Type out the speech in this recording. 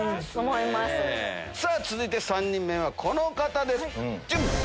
続いて３人目はこの方です。